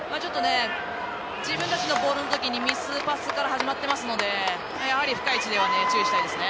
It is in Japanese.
自分たちのボールのときにミスパスから始まってますしやはり、深い位置では注意したいですね。